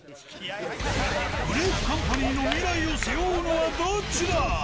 グレープカンパニーの未来を背負うのはどっちだ？